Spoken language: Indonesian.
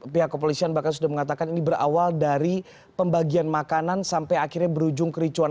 pihak kepolisian bahkan sudah mengatakan ini berawal dari pembagian makanan sampai akhirnya berujung kericuan